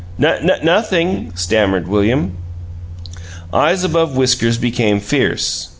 "Nun nothing!" stammered William. Eyes above whiskers became fierce.